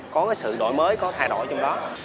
có cái sự đổi mới có thay đổi trong đó